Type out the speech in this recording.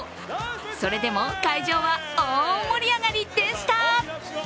それでも会場は大盛り上がりでした。